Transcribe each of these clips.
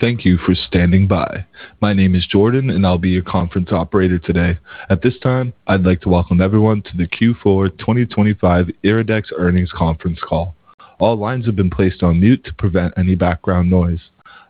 Thank you for standing by. My name is Jordan, and I'll be your conference operator today. At this time, I'd like to welcome everyone to the Q4 2025 IRIDEX earnings conference call. All lines have been placed on mute to prevent any background noise.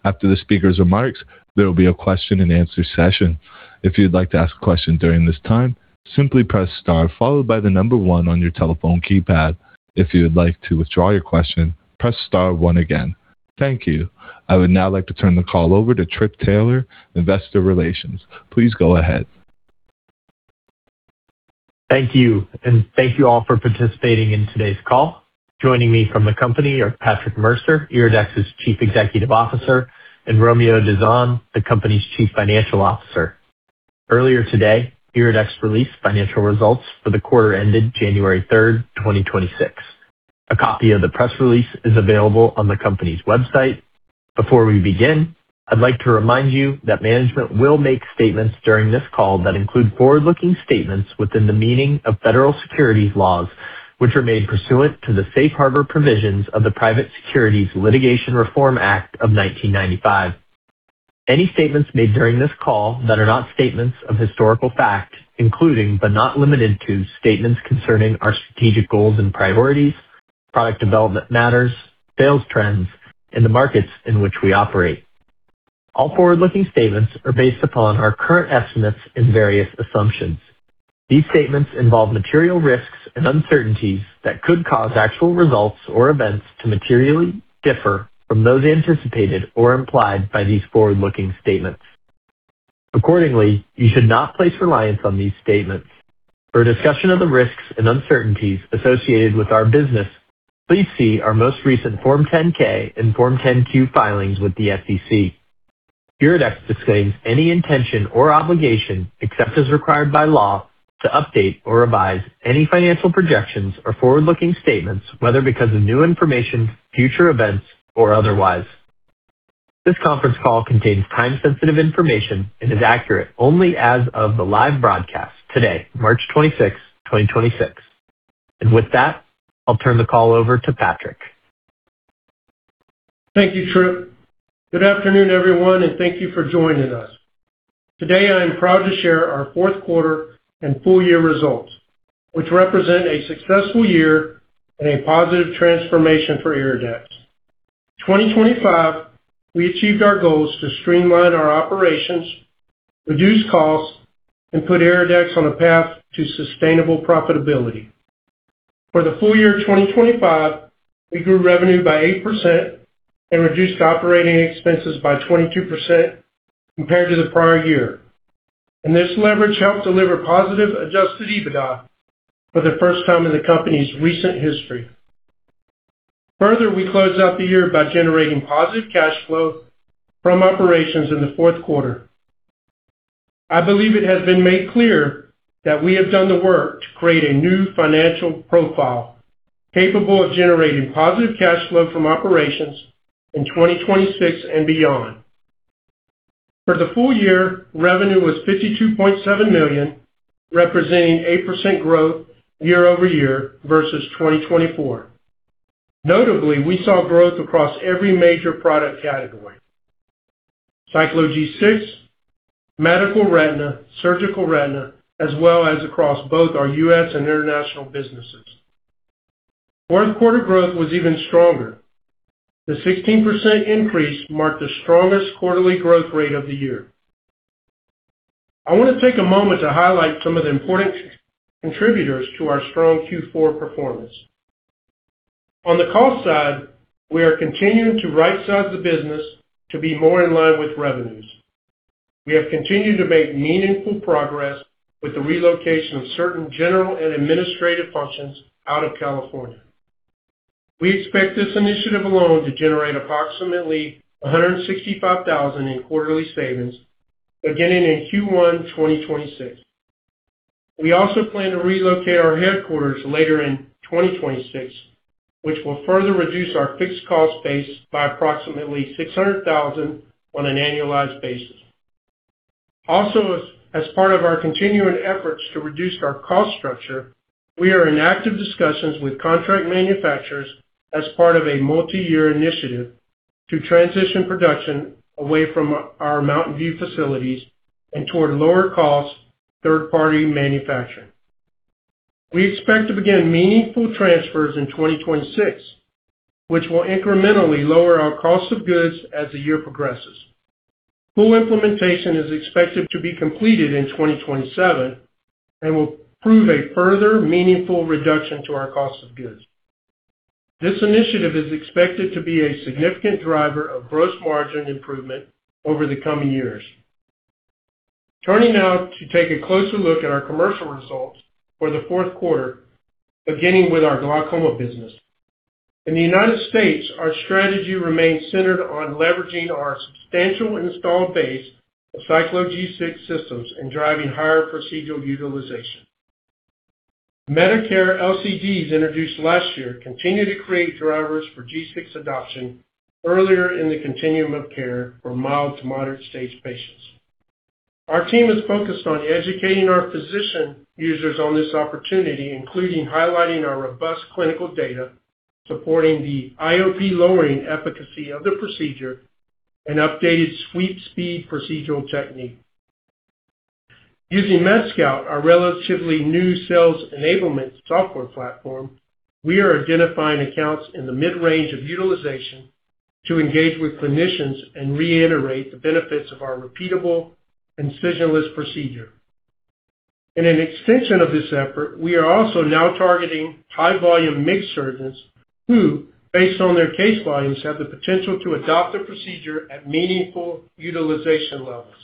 After the speaker's remarks, there will be a question-and-answer session. If you'd like to ask a question during this time, simply press star followed by one on your telephone keypad. If you would like to withdraw your question, press star one again. Thank you. I would now like to turn the call over to Philip Taylor, Investor Relations. Please go ahead. Thank you. Thank you all for participating in today's call. Joining me from the company are Patrick Mercer, IRIDEX's Chief Executive Officer, and Romeo Dizon, the company's Chief Financial Officer. Earlier today, IRIDEX released financial results for the quarter ended January 3rd, 2026. A copy of the press release is available on the company's website. Before we begin, I'd like to remind you that management will make statements during this call that include forward-looking statements within the meaning of federal securities laws, which are made pursuant to the Safe Harbor provisions of the Private Securities Litigation Reform Act of 1995. Any statements made during this call that are not statements of historical fact, including but not limited to statements concerning our strategic goals and priorities, product development matters, sales trends in the markets in which we operate. All forward-looking statements are based upon our current estimates and various assumptions. These statements involve material risks and uncertainties that could cause actual results or events to materially differ from those anticipated or implied by these forward-looking statements. Accordingly, you should not place reliance on these statements. For a discussion of the risks and uncertainties associated with our business, please see our most recent Form 10-K and Form 10-Q filings with the SEC. IRIDEX disclaims any intention or obligation, except as required by law, to update or revise any financial projections or forward-looking statements, whether because of new information, future events, or otherwise. This conference call contains time-sensitive information and is accurate only as of the live broadcast today, March 26, 2026. With that, I'll turn the call over to Patrick. Thank you, Trip. Good afternoon, everyone, and thank you for joining us. Today, I am proud to share our fourth quarter and full year results, which represent a successful year and a positive transformation for IRIDEX. 2025, we achieved our goals to streamline our operations, reduce costs, and put IRIDEX on a path to sustainable profitability. For the full year 2025, we grew revenue by 8% and reduced operating expenses by 22% compared to the prior year. This leverage helped deliver positive adjusted EBITDA for the first time in the company's recent history. Further, we closed out the year by generating positive cash flow from operations in the fourth quarter. I believe it has been made clear that we have done the work to create a new financial profile capable of generating positive cash flow from operations in 2026 and beyond. For the full year, revenue was $52.7 million, representing 8% growth year-over-year versus 2024. Notably, we saw growth across every major product category, Cyclo G6, medical retina, surgical retina, as well as across both our U.S. and international businesses. Fourth quarter growth was even stronger. The 16% increase marked the strongest quarterly growth rate of the year. I want to take a moment to highlight some of the important contributors to our strong Q4 performance. On the cost side, we are continuing to right-size the business to be more in line with revenues. We have continued to make meaningful progress with the relocation of certain general and administrative functions out of California. We expect this initiative alone to generate approximately $165,000 in quarterly savings beginning in Q1 2026. We also plan to relocate our headquarters later in 2026, which will further reduce our fixed cost base by approximately $600,000 on an annualized basis. Also, as part of our continuing efforts to reduce our cost structure, we are in active discussions with contract manufacturers as part of a multi-year initiative to transition production away from our Mountain View facilities and toward lower cost third-party manufacturing. We expect to begin meaningful transfers in 2026, which will incrementally lower our cost of goods as the year progresses. Full implementation is expected to be completed in 2027 and will prove a further meaningful reduction to our cost of goods. This initiative is expected to be a significant driver of gross margin improvement over the coming years. Turning now to take a closer look at our commercial results for the fourth quarter, beginning with our glaucoma business. In the United States, our strategy remains centered on leveraging our substantial installed base of Cyclo G6 systems and driving higher procedural utilization. Medicare LCDs introduced last year continue to create drivers for G6 adoption earlier in the continuum of care for mild to moderate stage patients. Our team is focused on educating our physician users on this opportunity, including highlighting our robust clinical data, supporting the IOP lowering efficacy of the procedure and updated sweep speed procedural technique. Using MedScout, our relatively new sales enablement software platform, we are identifying accounts in the mid-range of utilization to engage with clinicians and reiterate the benefits of our repeatable incisionless procedure. In an extension of this effort, we are also now targeting high volume MIGS surgeons who, based on their case volumes, have the potential to adopt the procedure at meaningful utilization levels.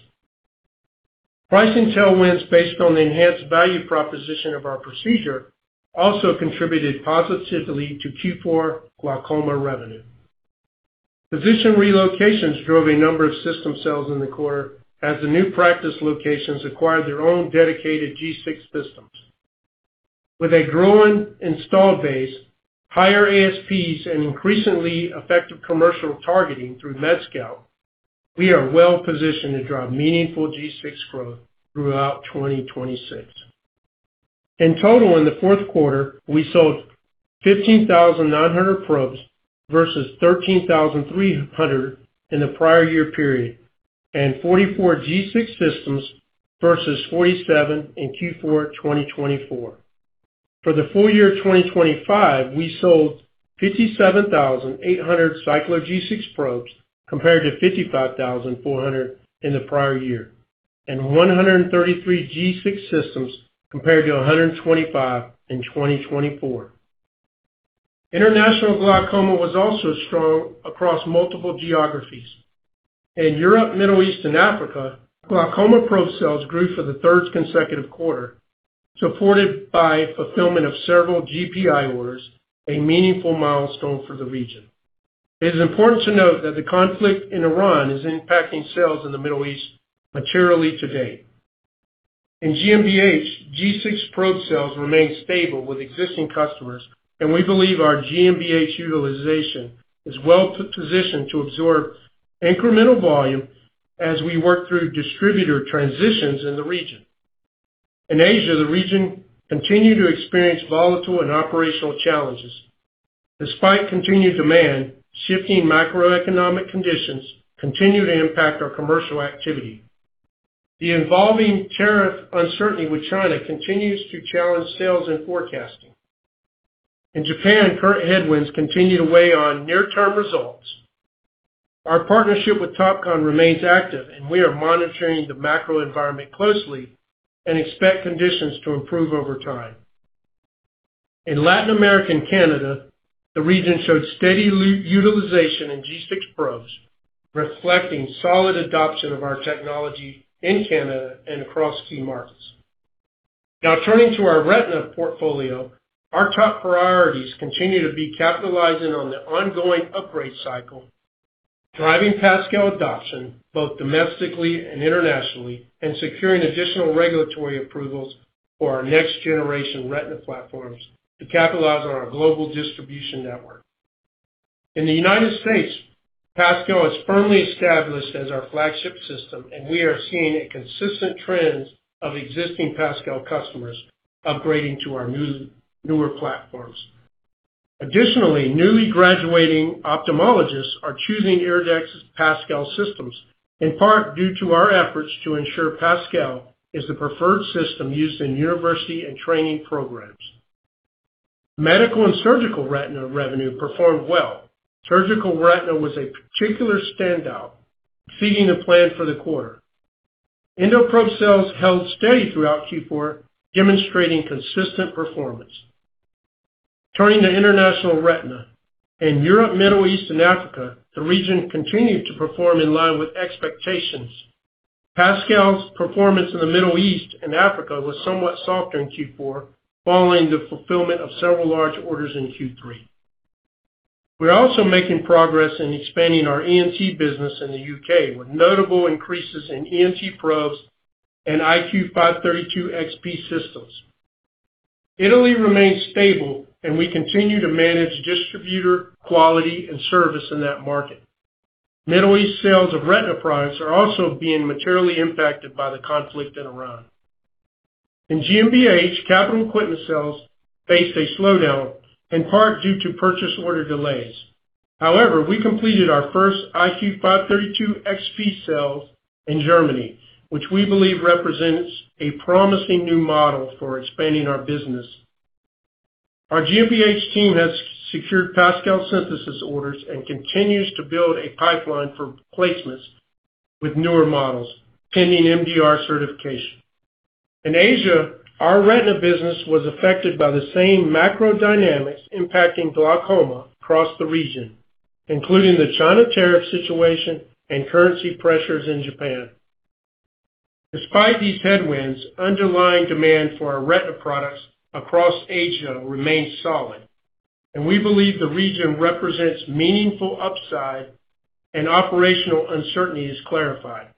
Price intel wins based on the enhanced value proposition of our procedure also contributed positively to Q4 glaucoma revenue. Physician relocations drove a number of system sales in the quarter as the new practice locations acquired their own dedicated G6 systems. With a growing install base, higher ASPs, and increasingly effective commercial targeting through MedScout, we are well positioned to drive meaningful G6 growth throughout 2026. In total, in the fourth quarter, we sold 15,900 probes versus 13,300 in the prior year period, and 44 G6 systems versus 47 in Q4 2024. For the full year 2025, we sold 57,800 Cyclo G6 probes compared to 55,400 in the prior year, and 133 G6 systems compared to 125 in 2024. International glaucoma was also strong across multiple geographies. In Europe, Middle East and Africa, glaucoma probe sales grew for the third consecutive quarter, supported by fulfillment of several GPO orders, a meaningful milestone for the region. It is important to note that the conflict in Iran is impacting sales in the Middle East materially to date. In GmbH, G6 probe sales remain stable with existing customers, and we believe our GmbH utilization is well positioned to absorb incremental volume as we work through distributor transitions in the region. In Asia, the region continued to experience volatile and operational challenges. Despite continued demand, shifting macroeconomic conditions continued to impact our commercial activity. The evolving tariff uncertainty with China continues to challenge sales and forecasting. In Japan, current headwinds continue to weigh on near-term results. Our partnership with Topcon remains active, and we are monitoring the macro environment closely and expect conditions to improve over time. In Latin America and Canada, the region showed steady utilization in G6 probes, reflecting solid adoption of our technology in Canada and across key markets. Now turning to our retina portfolio. Our top priorities continue to be capitalizing on the ongoing upgrade cycle, driving PASCAL adoption both domestically and internationally, and securing additional regulatory approvals for our next generation retina platforms to capitalize on our global distribution network. In the United States, PASCAL is firmly established as our flagship system, and we are seeing a consistent trend of existing PASCAL customers upgrading to our newer platforms. Additionally, newly graduating ophthalmologists are choosing IRIDEX PASCAL systems, in part due to our efforts to ensure PASCAL is the preferred system used in university and training programs. Medical and surgical retina revenue performed well. Surgical retina was a particular standout, exceeding the plan for the quarter. EndoProbe sales held steady throughout Q4, demonstrating consistent performance. Turning to international retina. In Europe, Middle East and Africa, the region continued to perform in line with expectations. PASCAL's performance in the Middle East and Africa was somewhat softer in Q4, following the fulfillment of several large orders in Q3. We're also making progress in expanding our ENT business in the U.K., with notable increases in ENT probes and IQ532XP systems. Italy remains stable, and we continue to manage distributor quality and service in that market. Middle East sales of retina products are also being materially impacted by the conflict in Iran. In GmbH, capital equipment sales faced a slowdown, in part due to purchase order delays. However, we completed our first IQ532XP sale in Germany, which we believe represents a promising new model for expanding our business. Our GmbH team has secured PASCAL Synthesis orders and continues to build a pipeline for replacements with newer models, pending MDR certification. In Asia, our retina business was affected by the same macro dynamics impacting glaucoma across the region, including the China tariff situation and currency pressures in Japan. Despite these headwinds, underlying demand for our retina products across Asia remains solid, and we believe the region represents meaningful upside and operational uncertainty is clarified.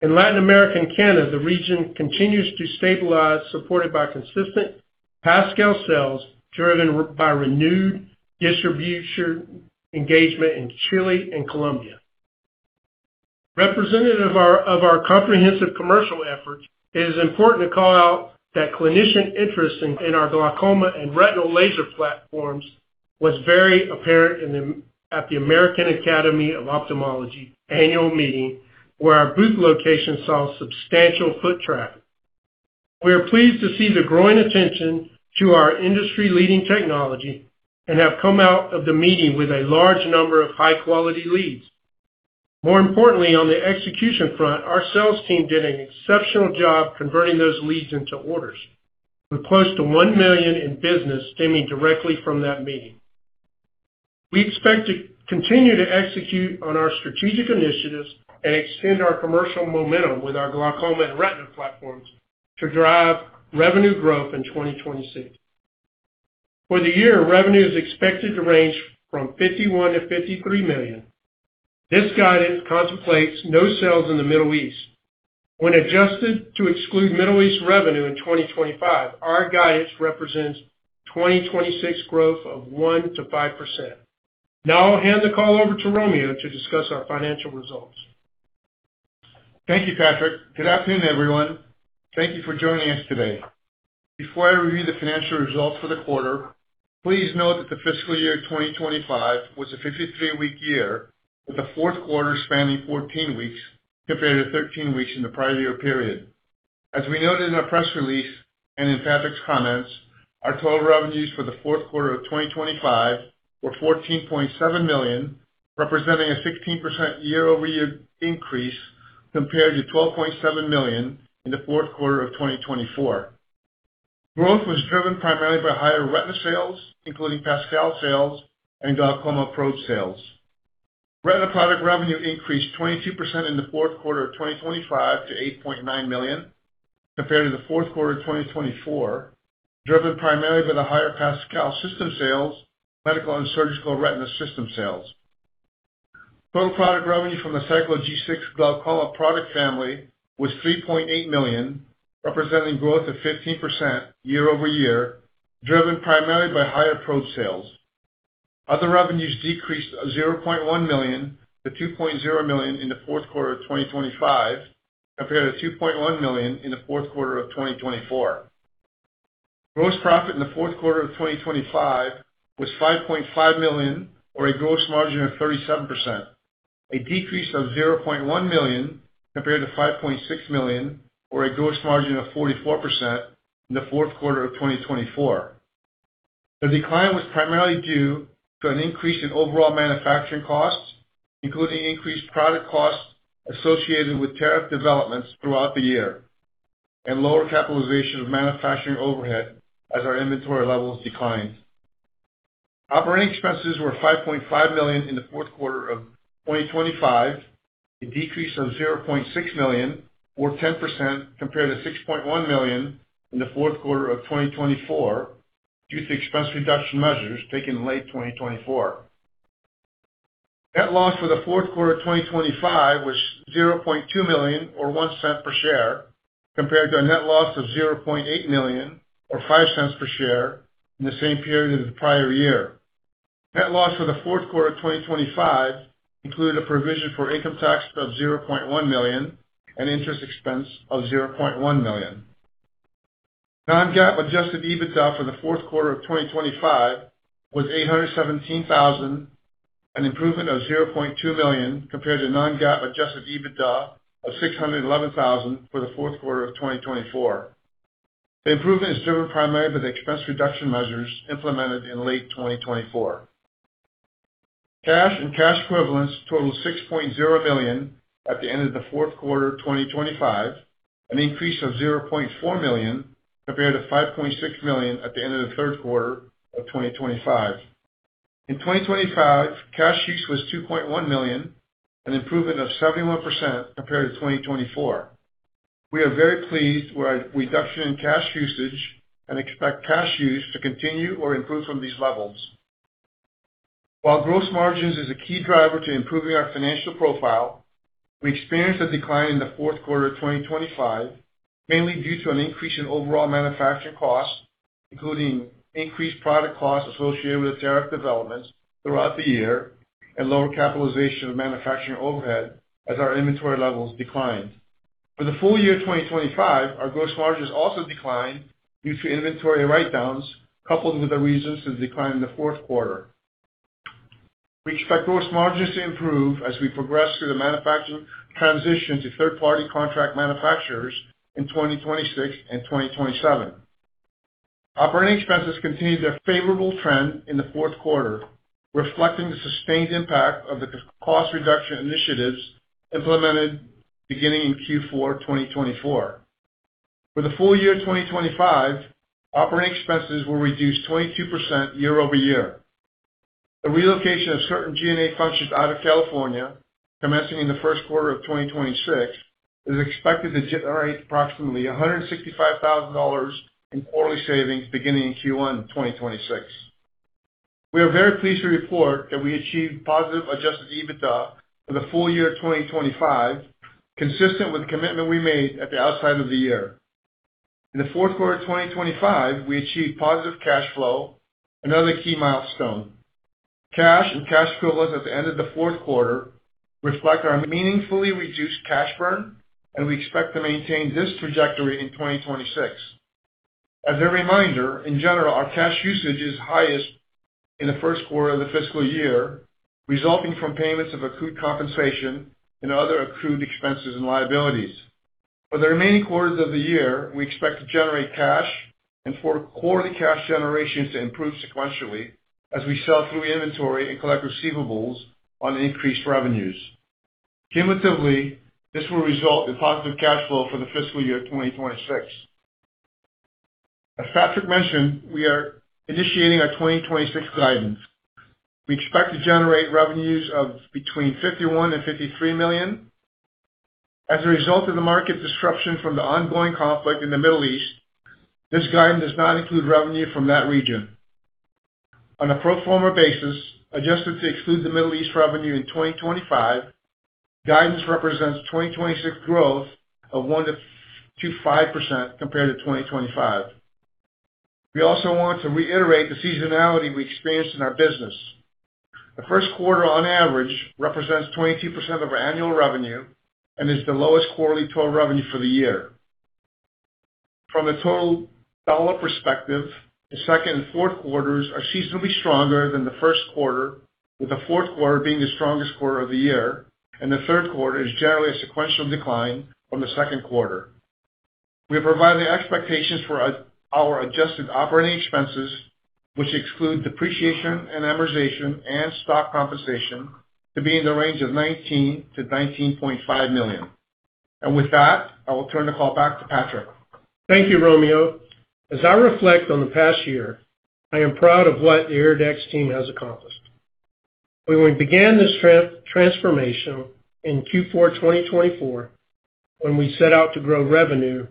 In Latin America and Canada, the region continues to stabilize, supported by consistent PASCAL sales driven by renewed distribution engagement in Chile and Colombia. Representative of our comprehensive commercial efforts, it is important to call out that clinician interest in our glaucoma and retinal laser platforms was very apparent at the American Academy of Ophthalmology annual meeting, where our booth location saw substantial foot traffic. We are pleased to see the growing attention to our industry-leading technology and have come out of the meeting with a large number of high-quality leads. More importantly, on the execution front, our sales team did an exceptional job converting those leads into orders. We're close to $1 million in business stemming directly from that meeting. We expect to continue to execute on our strategic initiatives and extend our commercial momentum with our glaucoma and retina platforms to drive revenue growth in 2026. For the year, revenue is expected to range from $51 million-$53 million. This guidance contemplates no sales in the Middle East. When adjusted to exclude Middle East revenue in 2025, our guidance represents 2026 growth of 1%-5%. Now I'll hand the call over to Romeo to discuss our financial results. Thank you, Patrick. Good afternoon, everyone. Thank you for joining us today. Before I review the financial results for the quarter, please note that the fiscal year 2025 was a 53-week year, with the fourth quarter spanning 14 weeks compared to 13 weeks in the prior year period. As we noted in our press release and in Patrick's comments, our total revenues for the fourth quarter of 2025 were $14.7 million, representing a 16% year-over-year increase compared to $12.7 million in the fourth quarter of 2024. Growth was driven primarily by higher retina sales, including PASCAL sales and glaucoma probe sales. Retina product revenue increased 22% in the fourth quarter of 2025 to $8.9 million compared to the fourth quarter of 2024, driven primarily by the higher PASCAL system sales, medical and surgical retina system sales. Total product revenue from the Cyclo G6 glaucoma product family was $3.8 million, representing growth of 15% year-over-year, driven primarily by higher probe sales. Other revenues decreased $0.1 million to $2.0 million in the fourth quarter of 2025 compared to $2.1 million in the fourth quarter of 2024. Gross profit in the fourth quarter of 2025 was $5.5 million or a gross margin of 37%, a decrease of $0.1 million compared to $5.6 million or a gross margin of 44% in the fourth quarter of 2024. The decline was primarily due to an increase in overall manufacturing costs, including increased product costs associated with tariff developments throughout the year and lower capitalization of manufacturing overhead as our inventory levels declined. Operating expenses were $5.5 million in the fourth quarter of 2025, a decrease of $0.6 million or 10% compared to $6.1 million in the fourth quarter of 2024 due to expense reduction measures taken in late 2024. Net loss for the fourth quarter of 2025 was $0.2 million or $0.01 per share, compared to a net loss of $0.8 million or $0.05 per share in the same period of the prior year. Net loss for the fourth quarter of 2025 included a provision for income tax of $0.1 million and interest expense of $0.1 million. Non-GAAP adjusted EBITDA for the fourth quarter of 2025 was $817,000, an improvement of $0.2 million compared to non-GAAP adjusted EBITDA of $611,000 for the fourth quarter of 2024. The improvement is driven primarily by the expense reduction measures implemented in late 2024. Cash and cash equivalents totaled $6.0 million at the end of the fourth quarter of 2025, an increase of $0.4 million compared to $5.6 million at the end of the third quarter of 2025. In 2025, cash use was $2.1 million, an improvement of 71% compared to 2024. We are very pleased with our reduction in cash usage and expect cash use to continue or improve from these levels. While gross margins is a key driver to improving our financial profile, we experienced a decline in the fourth quarter of 2025, mainly due to an increase in overall manufacturing costs, including increased product costs associated with tariff developments throughout the year and lower capitalization of manufacturing overhead as our inventory levels declined. For the full year 2025, our gross margins also declined due to inventory write-downs coupled with the reasons for the decline in the fourth quarter. We expect gross margins to improve as we progress through the manufacturing transition to third-party contract manufacturers in 2026 and 2027. Operating expenses continued their favorable trend in the fourth quarter, reflecting the sustained impact of the cost reduction initiatives implemented beginning in Q4 2024. For the full year 2025, operating expenses will reduce 22% year-over-year. The relocation of certain G&A functions out of California, commencing in the first quarter of 2026, is expected to generate approximately $165,000 in quarterly savings beginning in Q1 2026. We are very pleased to report that we achieved positive adjusted EBITDA for the full year 2025, consistent with the commitment we made at the outset of the year. In the fourth quarter of 2025, we achieved positive cash flow, another key milestone. Cash and cash equivalents at the end of the fourth quarter reflect our meaningfully reduced cash burn, and we expect to maintain this trajectory in 2026. As a reminder, in general, our cash usage is highest in the first quarter of the fiscal year, resulting from payments of accrued compensation and other accrued expenses and liabilities. For the remaining quarters of the year, we expect to generate cash and for quarterly cash generations to improve sequentially as we sell through inventory and collect receivables on increased revenues. Cumulatively, this will result in positive cash flow for the fiscal year 2026. As Patrick mentioned, we are initiating our 2026 guidance. We expect to generate revenues of between $51 million and $53 million. As a result of the market disruption from the ongoing conflict in the Middle East, this guidance does not include revenue from that region. On a pro forma basis, adjusted to exclude the Middle East revenue in 2025, guidance represents 2026 growth of 1%-2% compared to 2025. We also want to reiterate the seasonality we experienced in our business. The first quarter on average represents 22% of our annual revenue and is the lowest quarterly total revenue for the year. From a total dollar perspective, the second and fourth quarters are seasonally stronger than the first quarter, with the fourth quarter being the strongest quarter of the year, and the third quarter is generally a sequential decline from the second quarter. We are providing expectations for our adjusted operating expenses, which exclude depreciation and amortization and stock compensation, to be in the range of $19 million-$19.5 million. With that, I will turn the call back to Patrick. Thank you, Romeo. As I reflect on the past year, I am proud of what the IRIDEX team has accomplished. When we began this transformation in Q4 2024, when we set out to grow revenue,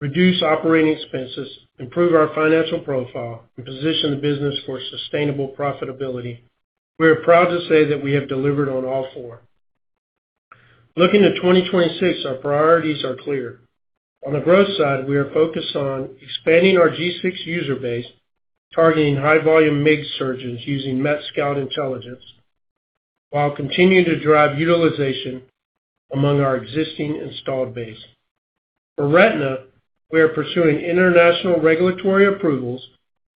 reduce operating expenses, improve our financial profile, and position the business for sustainable profitability, we are proud to say that we have delivered on all four. Looking at 2026, our priorities are clear. On the growth side, we are focused on expanding our G6 user base, targeting high volume MIGS surgeons using MedScout intelligence, while continuing to drive utilization among our existing installed base. For Retina, we are pursuing international regulatory approvals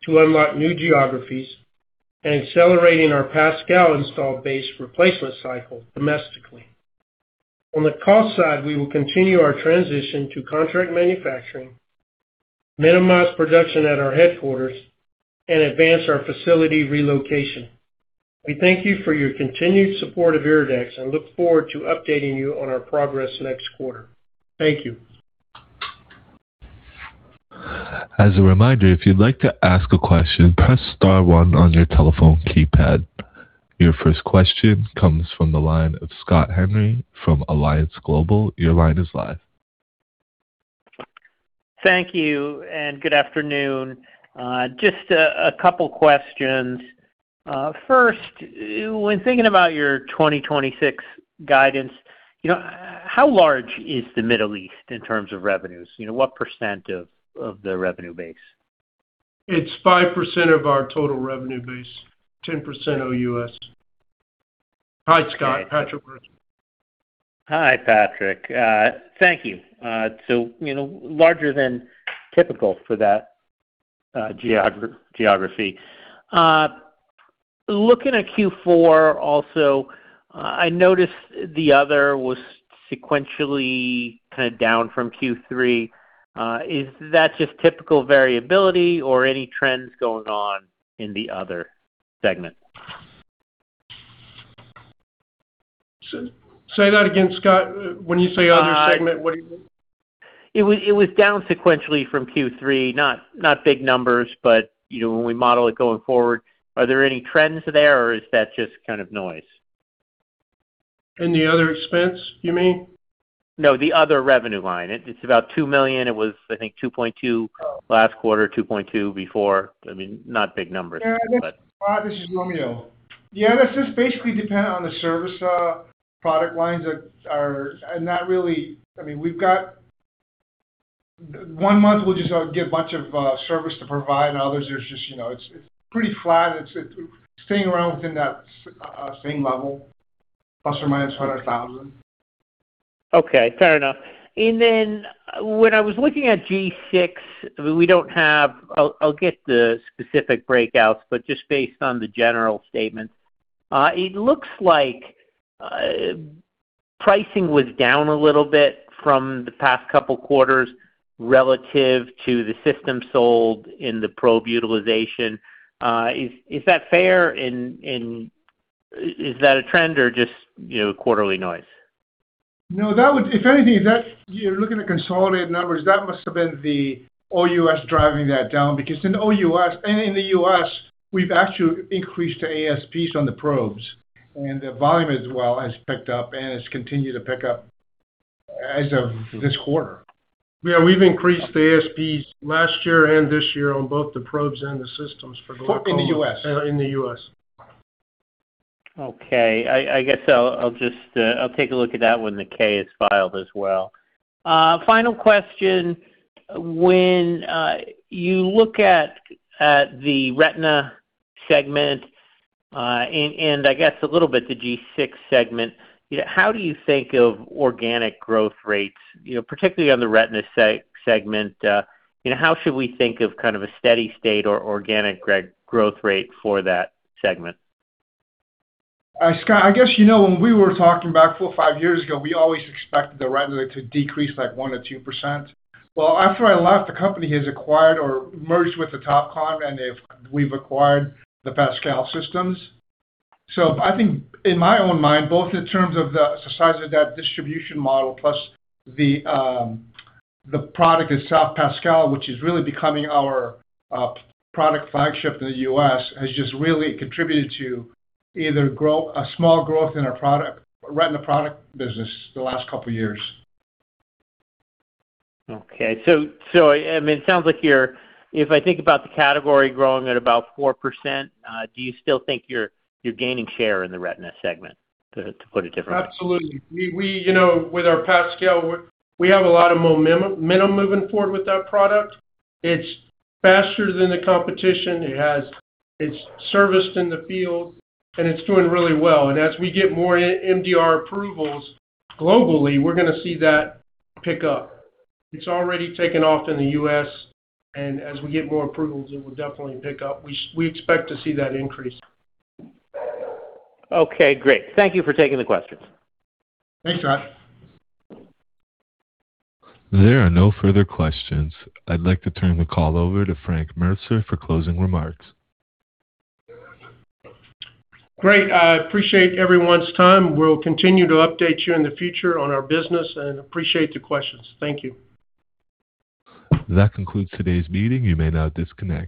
to unlock new geographies and accelerating our Pascal installed base replacement cycle domestically. On the cost side, we will continue our transition to contract manufacturing, minimize production at our headquarters, and advance our facility relocation. We thank you for your continued support of IRIDEX and look forward to updating you on our progress next quarter. Thank you. As a reminder, if you'd like to ask a question, press star one on your telephone keypad. Your first question comes from the line of Scott Henry from Alliance Global Partners. Your line is live. Thank you and good afternoon. Just a couple questions. First, when thinking about your 2026 guidance, you know, how large is the Middle East in terms of revenues? You know, what % of the revenue base? It's 5% of our total revenue base, 10% OUS. Hi, Scott. Patrick Mercer. Hi, Patrick. Thank you. You know, larger than typical for that geography. Looking at Q4 also, I noticed the other was sequentially kind of down from Q3. Is that just typical variability or any trends going on in the other segment? Say that again, Scott. When you say other segment, what do you mean? It was down sequentially from Q3. Not big numbers, but you know when we model it going forward, are there any trends there or is that just kind of noise? In the other expense, you mean? No, the other revenue line. It's about $2 million. It was, I think, $2.2 million last quarter, $2.2 million before. I mean, not big numbers, but. Yeah. Scott, this is Romeo. Yeah, that's just basically dependent on the service product lines that are not really. I mean, we've got one month, we'll just get a bunch of service to provide and others there's just, you know, it's pretty flat. It's staying around within that same level, plus or minus $100,000. Okay, fair enough. Then when I was looking at G6, we don't have. I'll get the specific breakouts, but just based on the general statements, it looks like pricing was down a little bit from the past couple quarters relative to the system sold and probe utilization. Is that fair? Is that a trend or just, you know, quarterly noise? No, if anything that you're looking at consolidated numbers, that must have been the OUS driving that down. Because in OUS and in the U.S., we've actually increased the ASPs on the probes and the volume as well has picked up and it's continued to pick up. As of this quarter. Yeah, we've increased the ASPs last year and this year on both the probes and the systems for global- For in the U.S.? In the U.S.. Okay. I guess I'll just take a look at that when the K is filed as well. Final question, when you look at the Retina segment, and I guess a little bit the G6 segment, you know, how do you think of organic growth rates, you know, particularly on the Retina segment, you know, how should we think of kind of a steady state or organic growth rate for that segment? Scott, I guess, you know, when we were talking back four, five years ago, we always expected the retina to decrease, like, 1%-2%. Well, after I left, the company has acquired or merged with the Topcon, and we've acquired the PASCAL systems. I think in my own mind, both in terms of the size of that distribution model plus the product itself, PASCAL, which is really becoming our product flagship in the U.S., has just really contributed to a small growth in our product, retina product business the last couple years. Okay. I mean, it sounds like you're, if I think about the category growing at about 4%, do you still think you're gaining share in the retina segment, to put it differently? Absolutely. We you know, with our PASCAL, we have a lot of momentum moving forward with that product. It's faster than the competition. It has. It's serviced in the field, and it's doing really well. As we get more MDR approvals globally, we're gonna see that pick up. It's already taken off in the U.S., and as we get more approvals, it will definitely pick up. We expect to see that increase. Okay, great. Thank you for taking the questions. Thanks, Scott. There are no further questions. I'd like to turn the call over to Patrick Mercer for closing remarks. Great. I appreciate everyone's time. We'll continue to update you in the future on our business and appreciate the questions. Thank you. That concludes today's meeting. You may now disconnect.